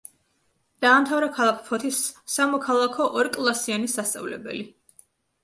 დაამთავრა ქალაქ ფოთის სამოქალაქო ორკლასიანი სასწავლებელი.